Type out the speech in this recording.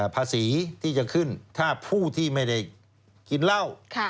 ภาษีที่จะขึ้นถ้าผู้ที่ไม่ได้กินเหล้า